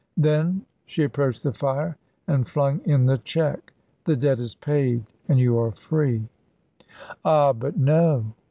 "Then" she approached the fire and flung in the cheque "the debt is paid, and you are free." "Ah, but no."